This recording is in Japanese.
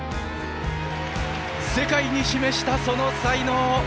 世界に示したその才能！